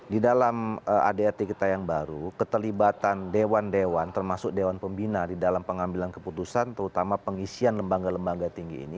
di dalam adrt kita yang baru keterlibatan dewan dewan termasuk dewan pembina di dalam pengambilan keputusan terutama pengisian lembaga lembaga tinggi ini